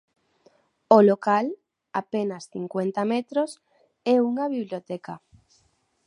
O local, apenas cincuenta metros, é unha biblioteca.